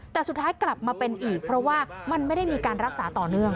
แต่สุดท้ายกลับมาเป็นอีกเพราะว่ามันไม่ได้มีการรักษาต่อเนื่อง